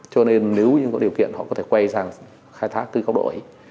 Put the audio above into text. cho nên nếu như có điều kiện họ có thể quay sang khai thác cư góc đội